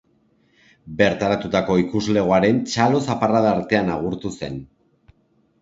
Bertaratutako ikuslegoaren txalo zaparrada artean agurtu zen.